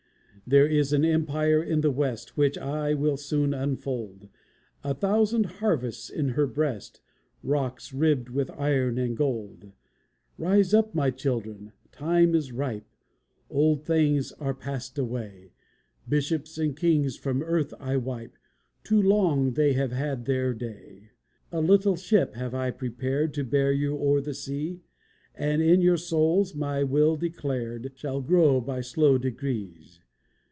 There is an empire in the West, Which I will soon unfold; A thousand harvests in her breast, Rocks ribbed with iron and gold. Rise up, my children, time is ripe! Old things are passed away. Bishops and kings from earth I wipe; Too long they've had their day. A little ship have I prepared To bear you o'er the seas; And in your souls my will declared Shall grow by slow degrees.